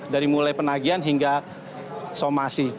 dari mulai penagihan hingga somasi